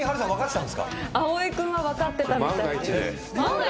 蒼君は分かってたみたいで。